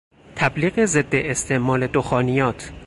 تبلیغ ضد استعمال دخانیات